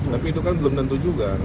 tapi itu kan belum tentu juga